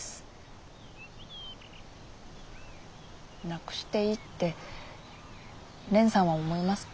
なくしていいって蓮さんは思いますか？